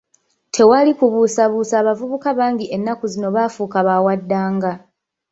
Tewali kubuusabuusa abavubuka bangi ennaku zino baafuuka bawaddanga.